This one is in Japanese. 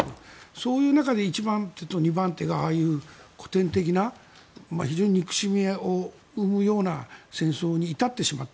そういう中で１番手と２番手が、ああいう古典的な非常に憎しみを生むような戦争に至ってしまった。